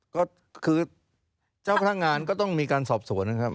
ก็คือเจ้าพนักงานก็ต้องมีการสอบสวนนะครับ